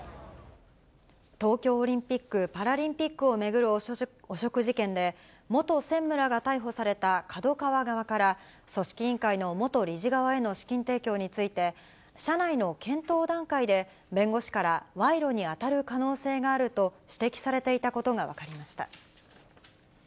東京オリンピック・パラリンピックを巡る汚職事件で、元専務らが逮捕されたＫＡＤＯＫＡＷＡ側から、組織委員会の元理事側への資金提供について、社内の検討段階で、弁護士から賄賂に当たる可能性があると指摘されていたことが分かりました。